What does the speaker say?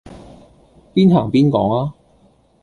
邊行邊講吖